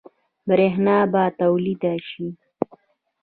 برښنا به تولید شي؟